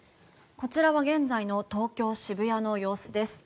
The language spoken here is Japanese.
こちらは現在の東京・渋谷の様子です。